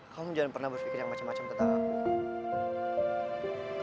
kamu jangan pernah berpikir yang macem macem tentang aku